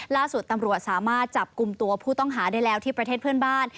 ล่าสุดตำรวจสามารถจับกลุ่มตัวผู้ต้องหาได้แล้วที่ประเทศเพื่อนบ้าน